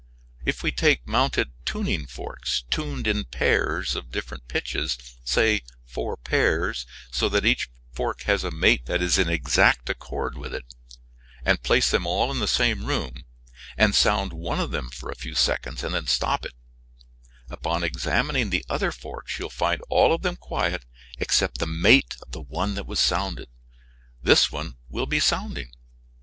If we take mounted tuning forks tuned in pairs of different pitches, say four pairs, so that each fork has a mate that is in exact accord with it, and place them all in the same room, and sound one of them for a few seconds and then stop it, upon examining the other forks you will find all of them quiet except the mate of the one that was sounded. This one will be sounding.